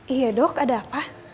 iya dok ada apa